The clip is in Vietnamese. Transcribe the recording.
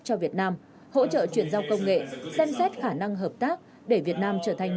cho việt nam hỗ trợ chuyển giao công nghệ xem xét khả năng hợp tác để việt nam trở thành